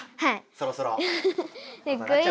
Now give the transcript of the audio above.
そろそろ。